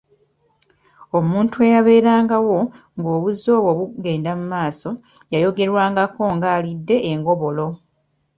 Omuntu eyabeerangawo ng’obuzi obwo bugenda mu maaso yayogerwangako ng’alidde engobolo.